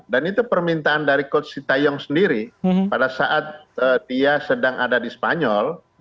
dan itu permintaan dari coach sintayang sendiri pada saat dia sedang ada di spanyol